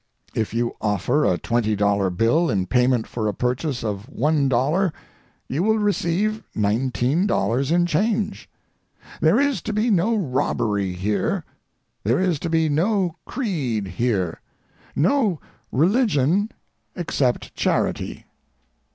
If you offer a twenty dollar bill in payment for a purchase of $1 you will receive $19 in change. There is to be no robbery here. There is to be no creed here—no religion except charity.